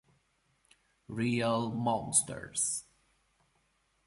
Real Monsters".